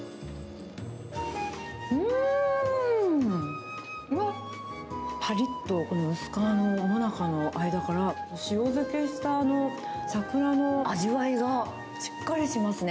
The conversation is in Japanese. うーん、うわっ、ぱりっと、この薄皮のもなかの間から、塩漬けした桜の味わいがしっかりしますね。